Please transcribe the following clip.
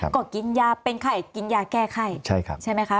ก็กินยาเป็นไข้กินยาแก้ไข้ใช่ไหมคะ